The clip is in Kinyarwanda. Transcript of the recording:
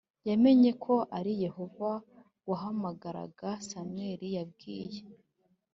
yamenye ko ari Yehova wahamagaraga Samweli Yabwiye